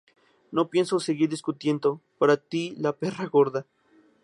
No pienso seguir discutiendo. Para ti la perra gorda